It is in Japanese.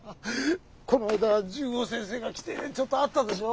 この間十五先生が来てちょっとあったでしょ？